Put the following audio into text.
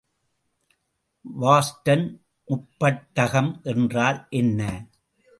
Wollaston முப்பட்டகம் என்றால் என்ன?